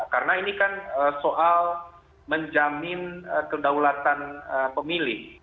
karena ini kan soal menjamin kedaulatan pemilik